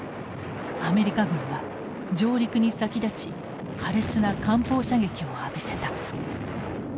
アメリカ軍は上陸に先立ち苛烈な艦砲射撃を浴びせた。